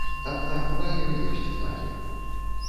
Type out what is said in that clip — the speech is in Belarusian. Аднак лагер ёсць лагер.